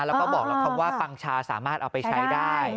แล้วก็บอกแล้วคำว่าปังชาสามารถเอาไปใช้ได้